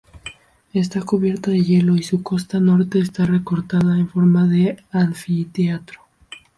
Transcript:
Está cubierta de hielo y su costa norte está recortada en forma de anfiteatro.